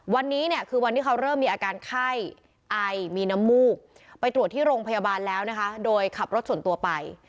วันนี้เนี่ยคือวันที่เขาเริ่มมีอาการไข้ไอมีน้ำมูกไปตรวจที่โรงพยาบาลแล้วนะคะโดยขับรถส่วนตัวไป